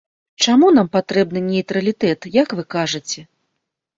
Чаму нам патрэбны нейтралітэт, як вы кажаце?